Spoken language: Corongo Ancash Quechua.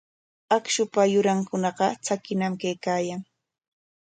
Akshupa yurankunaqa tsakiñam kaykan.